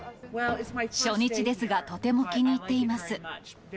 初日ですがとても気に入っています。